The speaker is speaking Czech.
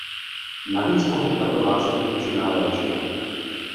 Navíc mohou tato vázat účinná léčiva.